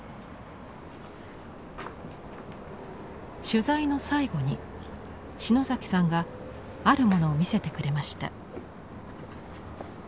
取材の最後に篠崎さんがあるものを見せてくれました。